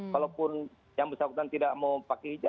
kalau pun yang bisa kita tidak mau pakai hijab